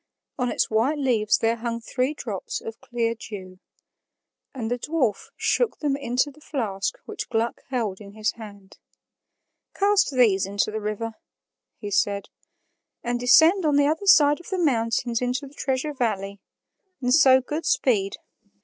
On its white leaves there hung three drops of clear dew. And the dwarf shook them into the flask which Gluck held in his hand. "Cast these into the river," he said, "and descend on the other side of the mountains into the Treasure Valley. And so good speed."